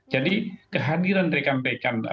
jadi kehadiran rekan rekan